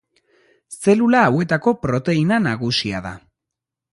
Zelula hauetako proteina nagusia da.